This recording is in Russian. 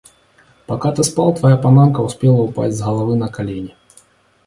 Пока ты спал, твоя панамка успела упасть с головы на колени.